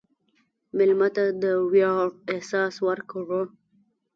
مېلمه ته د ویاړ احساس ورکړه.